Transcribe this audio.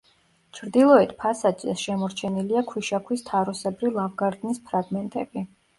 ჩრდილოეთ ფასადზე შემორჩენილია ქვიშაქვის თაროსებრი ლავგარდნის ფრაგმენტები.